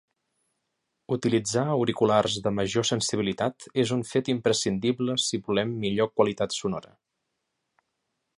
Utilitzar auriculars de major sensibilitat és un fet imprescindible si volem millor qualitat sonora.